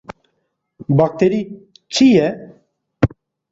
Bakterî çi ye?